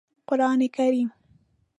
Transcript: قرآن کریم